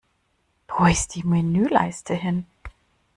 Wo ist die Menüleiste hin?